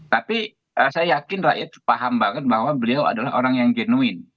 tapi saya yakin rakyat paham banget bahwa beliau adalah orang yang genuin